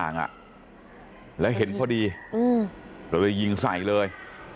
อ่ะแล้วเห็นพอดีอืมแล้วเลยยิงใส่เลย